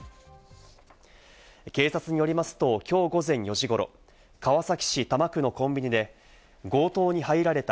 警察によりますと、今日午前４時頃、川崎市多摩区のコンビニで強盗に入られた。